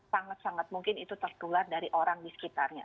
sangat sangat mungkin itu tertular dari orang di sekitarnya